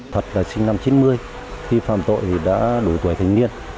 thật là sinh năm một nghìn chín trăm chín mươi khi phạm tội thì đã đủ tuổi thành niên